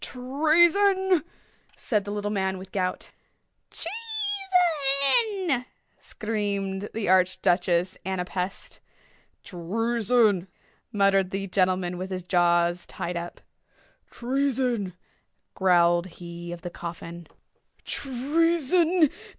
"Treason!" said the little man with the gout. "Treason!" screamed the Arch Duchess Ana Pest. "Treason!" muttered the gentleman with his jaws tied up. "Treason!" growled he of the coffin. "Treason!